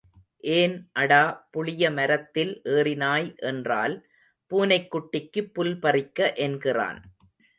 ஏன் அடா புளிய மரத்தில் ஏறினாய் என்றால் பூனைக் குட்டிக்குப் புல்பறிக்க என்கிறான்.